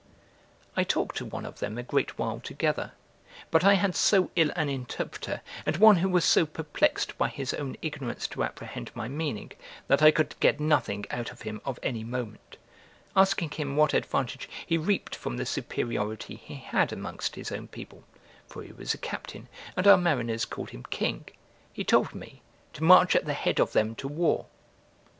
I talked to one of them a great while together, but I had so ill an interpreter, and one who was so perplexed by his own ignorance to apprehend my meaning, that I could get nothing out of him of any moment: Asking him what advantage he reaped from the superiority he had amongst his own people (for he was a captain, and our mariners called him king), he told me, to march at the head of them to war.